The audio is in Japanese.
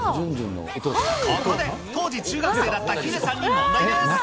ここで当時中学生だったヒデさんに問題です。